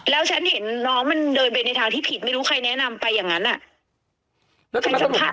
แล้วฉันเห็นน้องมันเดินไปในทางที่ผิดไม่รู้ใครแนะนำไปอย่างนั้นอ่ะ